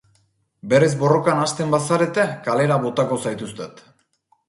Berriz borrokan hasten bazarete kalera botako zaituztet.